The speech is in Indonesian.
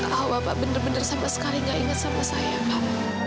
kalau bapak bener bener sama sekali gak inget sama saya pak